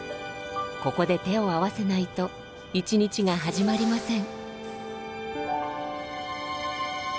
ここで手を合わせないと一日が始まりません。